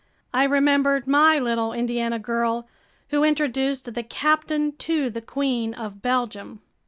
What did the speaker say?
I remembered my little Indiana girl who introduced the captain to the Queen of Belgium.